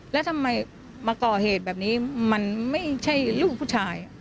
แล้วทำไมมาก่อเหตุแบบนี้มันไม่ใช่ลูกผู้ชาย